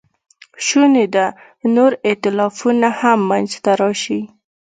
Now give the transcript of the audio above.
شونې ده نور ایتلافونه هم منځ ته راشي.